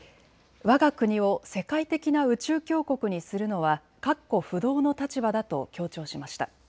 わが国を世界的な宇宙強国にするのは確固不動の立場だと強調しました。